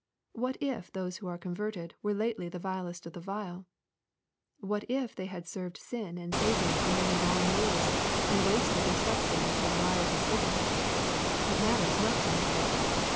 What if those who are converted were lately the vilest of the vile ? What if they have served sin and Satan for many long years, and wasted their substance in riotous living? It matters nothing.